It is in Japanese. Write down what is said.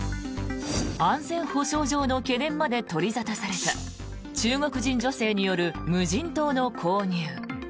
安全保障上の懸念まで取り沙汰された中国人女性による無人島の購入。